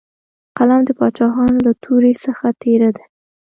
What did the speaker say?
قلم د باچاهانو له تورې څخه تېره دی.